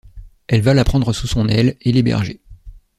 Elle va la prendre sous son aile et l'héberger.